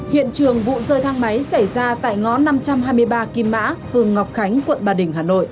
hiện trường vụ rơi thang máy xảy ra tại ngõ năm trăm hai mươi ba kim mã phường ngọc khánh quận ba đình hà nội